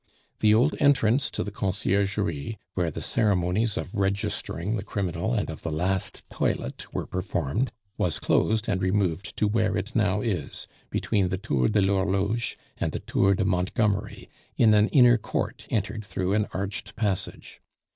The old entrance to the Conciergerie, where the ceremonies of registering the criminal and of the last toilet were performed, was closed and removed to where it now is, between the Tour de l'Horloge and the Tour de Montgomery, in an inner court entered through an arched passage.